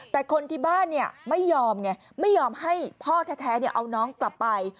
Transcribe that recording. แต่คนที่บ้านไม่ยอมไงไม่ยอมให้พ่อแท้เอาน้องกลับไป